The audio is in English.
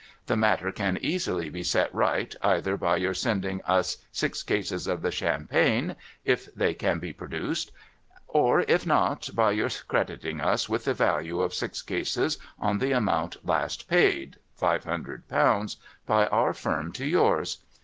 The matter can easily be set right, cither by your sending us six cases of the champagne, if they can be produced, or, if not, by your crediting us with the value of six cases on the amount last paid (five hundred pounds) by our firm to yours.